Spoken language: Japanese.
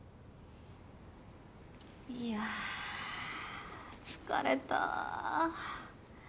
いやあ疲れたぁ。